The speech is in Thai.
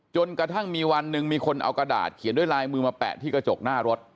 จนกระทั่งมีวันหนึ่งมีคนเอากระดาษเขียนด้วยลายมือมาแปะที่กระจกหน้ารถ